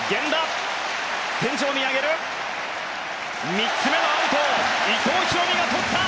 ３つ目のアウトを伊藤大海がとった。